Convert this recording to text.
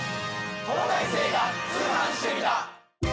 『東大生が通販してみた！！』。